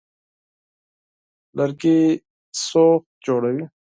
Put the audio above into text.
لرګي سوخت جوړوي.